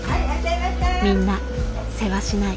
みんなせわしない。